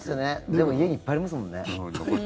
でも、家にいっぱいありますもんね。